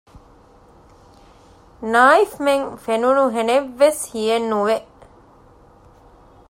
ނާއިފްމެން ފެނުނުހެނެއްވެސް ހިއެއް ނުވެ